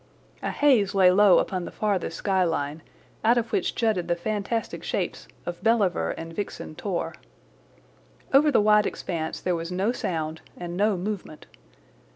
A haze lay low upon the farthest sky line, out of which jutted the fantastic shapes of Belliver and Vixen Tor. Over the wide expanse there was no sound and no movement.